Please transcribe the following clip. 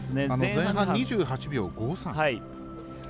前半２８秒５３。